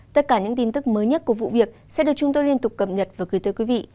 tất cả những tin tức mới nhất của vụ việc sẽ được chúng tôi liên tục cập nhật và gửi tới quý vị